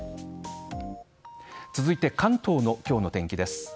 続いて、関東の今日の天気です。